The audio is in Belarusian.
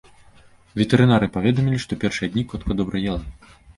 Ветэрынары паведамілі, што першыя дні котка добра ела.